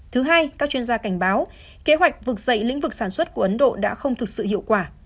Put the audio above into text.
thứ hai các chuyên gia cảnh báo kế hoạch vực dậy lĩnh vực sản xuất của ấn độ đã không thực sự hiệu quả